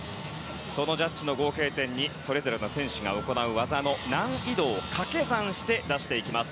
そのジャッジの合計点にそれぞれの選手が行う技の難易度を掛け算して出していきます。